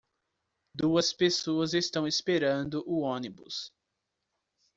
Duas pessoas estão esperando o ônibus